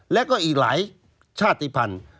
แล้วก็อีกหลายชาติภัณฑ์